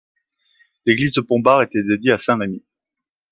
L'église de Pont-Bar était dédiée à saint Remi.